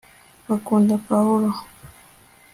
bakunda pawulo